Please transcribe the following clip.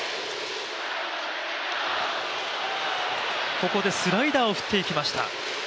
ここでスライダーを振っていきました。